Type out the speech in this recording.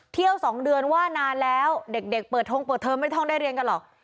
๒เดือนว่านานแล้วเด็กเปิดทงเปิดเทอมไม่ต้องได้เรียนกันหรอก